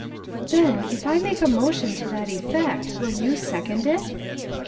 "Then, if I make a motion to that effect will you second it!"